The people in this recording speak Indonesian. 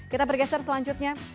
kita bergeser selanjutnya